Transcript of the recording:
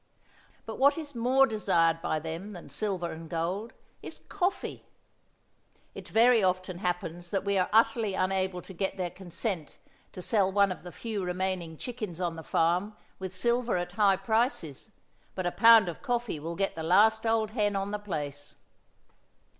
But what is more desired by them than silver and gold is coffee. It very often happens that we are utterly unable to get their consent to sell one of the few remaining chickens on the farm with silver at high prices, but a pound of coffee will get the last old hen on the place.